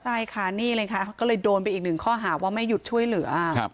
ใช่ค่ะนี่เลยค่ะก็เลยโดนไปอีกหนึ่งข้อหาว่าไม่หยุดช่วยเหลือ